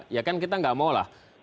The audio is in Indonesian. ya kan kita nggak mau lah